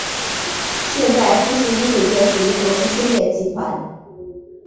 现在富士屋酒店属于国际兴业集团。